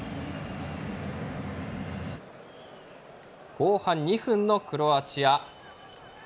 後半２分のクロアチア。